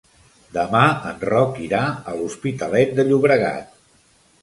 Demà en Roc irà a l'Hospitalet de Llobregat.